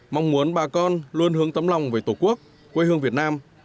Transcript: mong muốn bà con luôn hướng tấm lòng về tổ quốc quê hương việt nam